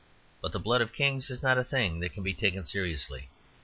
But the blood of kings is not a thing that can be taken seriously.